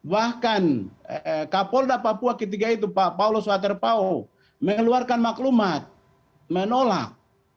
bahkan kapolda papua ketika itu pak paulo suaterpau mengeluarkan maklumat menolak